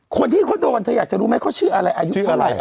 คนที่เขาโดนเธออยากจะรู้ไหมเขาชื่ออะไรอายุเท่าไหร่